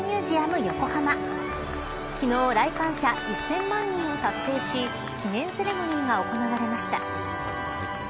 横浜昨日、来館者１０００万人を達成し記念セレモニーが行われました。